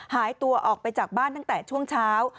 หายตัวออกไปจากบ้านตั้งแต่ช่วงเช้า